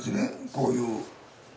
こういう。